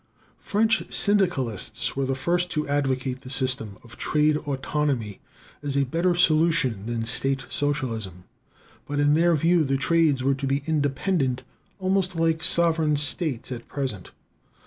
French syndicalists were the first to advocate the system of trade autonomy as a better solution than state socialism. But in their view the trades were to be independent, almost like sovereign states at present.